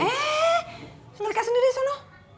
eh serikai sendiri disana